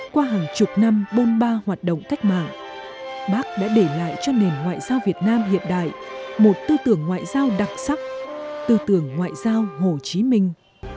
qua hàng chục năm bôn ba hoạt động cách mạng bác đã để lại cho nền ngoại giao việt nam hiện đại một tư tưởng ngoại giao đặc sắc tư tưởng ngoại giao hồ chí minh